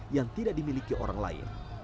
yang tidak dimiliki orang lain